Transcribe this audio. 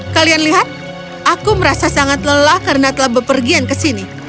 kalian lihat aku merasa sangat lelah karena telah berpergian ke sini